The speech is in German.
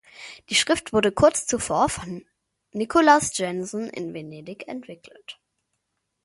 Die Schrift wurde kurz zuvor von Nicolas Jenson in Venedig entwickelt.